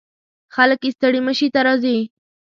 خلک یې ستړي مشي ته راځي.